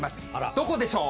どこでしょう？